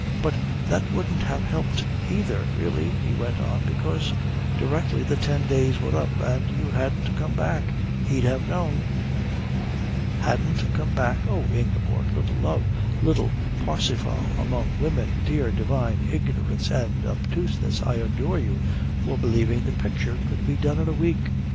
"But that wouldn't have helped, either, really," he went on, "because directly the ten days were up and you hadn't come back he'd have known " "Hadn't come back?" "Oh, Ingeborg little love, little Parsifal among women, dear divine ignorance and obtuseness I adore you for believing the picture could be done in a week!"